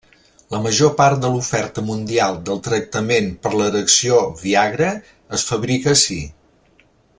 La major part de l'oferta mundial del tractament per l'erecció Viagra es fabrica ací.